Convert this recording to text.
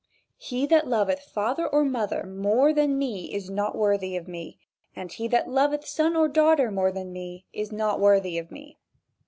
"He that loveth father or mother more than me is not worthy of me; and he that loveth son or daughter more than me is not worthy of me."